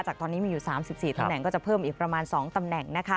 ตอนนี้มีอยู่๓๔ตำแหน่งก็จะเพิ่มอีกประมาณ๒ตำแหน่ง